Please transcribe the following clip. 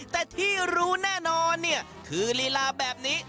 แต่ที่รู้แน่นอนเนี่ยคือลีลาแบบนี้